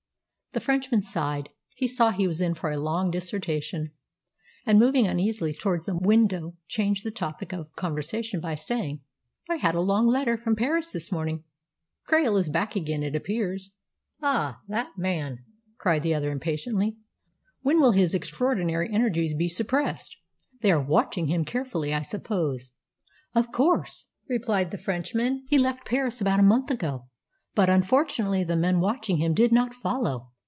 The Frenchman sighed. He saw he was in for a long dissertation; and, moving uneasily towards the window, changed the topic of conversation by saying, "I had a long letter from Paris this morning. Krail is back again, it appears." "Ah, that man!" cried the other impatiently. "When will his extraordinary energies be suppressed? They are watching him carefully, I suppose." "Of course," replied the Frenchman. "He left Paris about a month ago, but unfortunately the men watching him did not follow.